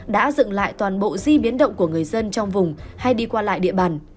đã dựng lại toàn bộ di biến động của người dân trong vùng hay đi qua lại địa bàn